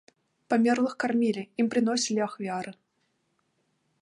Памерлых кармілі, ім прыносілі ахвяры.